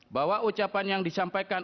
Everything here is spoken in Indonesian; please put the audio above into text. bahwa ucapan yang disampaikan